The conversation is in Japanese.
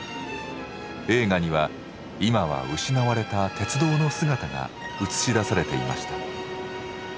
映画には今は失われた鉄道の姿が映し出されていました。